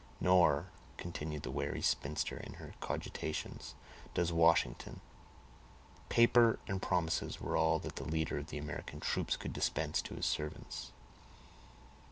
Nor, continued the wary spinster in her cogitations, does Washington; paper and promises were all that the leader of the American troops could dispense to his servants.